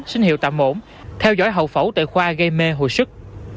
sinh hiệu tạm ổn theo dõi hậu phẫu tự khoa gây mê hồi sức